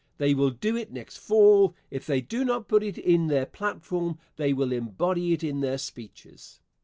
They will do it next fall. If they do not put it in their platform they will embody it in their speeches.